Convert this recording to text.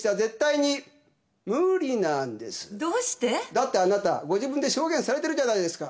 だってあなたご自分で証言されてるじゃないですか。